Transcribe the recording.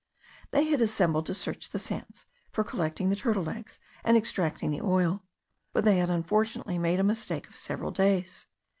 They had assembled to search the sands, for collecting the turtles' eggs, and extracting the oil; but they had unfortunately made a mistake of several days.